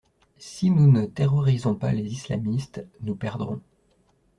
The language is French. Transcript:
Si nous ne terrorisons pas les islamistes, nous perdrons.